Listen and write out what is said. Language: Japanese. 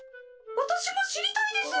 私も知りたいです。